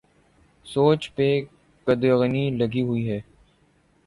سوچ پہ قدغنیں لگی ہوئی ہیں۔